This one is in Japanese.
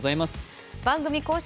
番組公式